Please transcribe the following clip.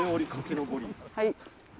はい。